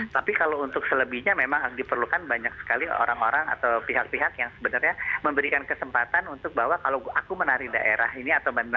tapi kalau untuk selebihnya memang diperlukan banyak sekali orang orang atau pihak pihak yang sebenarnya memberikan kesempatan untuk bahwa kalau aku menari daerah ini atau bandara